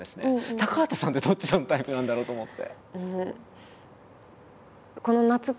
高畑さんってどっちのタイプなんだろうと思って。